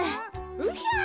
うひゃ。